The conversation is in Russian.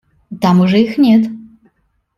Там уже их нет.